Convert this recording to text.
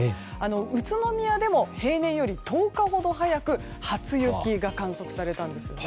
宇都宮でも平年より１０日ほど早く初雪が観測されたんですよね。